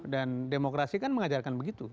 dan demokrasi kan mengajarkan begitu